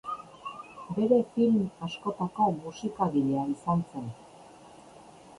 Bere film askotako musikagilea izan zen.